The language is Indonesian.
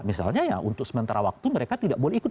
misalnya ya untuk sementara waktu mereka tidak boleh ikut